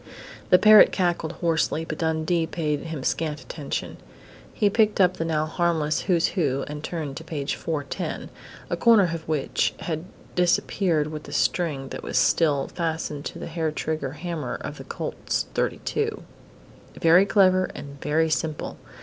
The parrot cackled hoarsely, but Dundee paid him scant attention. He picked up the now harmless "Who's Who" and turned to page 410, a corner of which had disappeared with the string that was still fastened to the hair trigger hammer of the Colt's .32. Very clever and very simple!